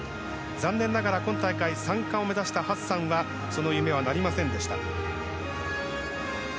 残念ながら今回３冠を目指したハッサンはその夢はなりませんでした。